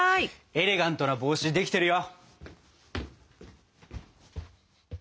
エレガントな帽子できてるよ！